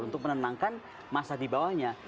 untuk menenangkan masa di bawahnya